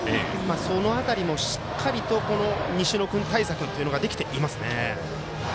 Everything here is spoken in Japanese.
その辺りもしっかりとこの西野君対策というのができていますね。